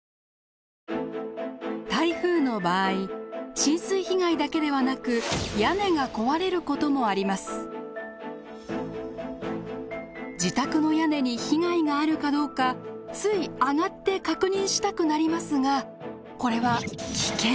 台風の場合浸水被害だけではなく自宅の屋根に被害があるかどうかつい上がって確認したくなりますがこれは危険！